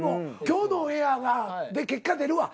今日のオンエアで結果出るわ。